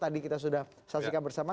tadi kita sudah saksikan bersama